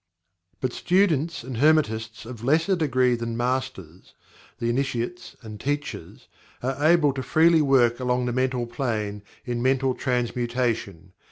But students and Hermetists of lesser degree than Masters the Initiates and Teachers are able to freely work along the Mental Plane, in Mental Transmutation.